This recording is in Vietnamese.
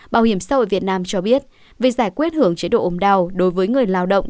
bảo hiểm xã hội việt nam cho biết việc giải quyết hưởng chế độ ồm đau đối với người lao động